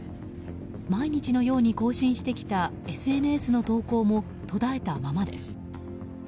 毎日のように更新してきたＳＮＳの投稿も途絶えたままです。